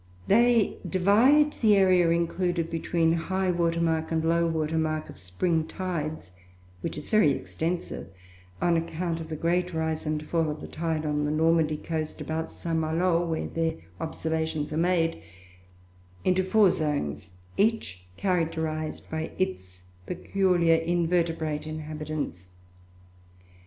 They divide the area included between highwater mark and lowwater mark of spring tides (which is very extensive, on account of the great rise and fall of the tide on the Normandy coast about St. Malo, where their observations were made) into four zones, each characterized by its peculiar invertebrate inhabitants.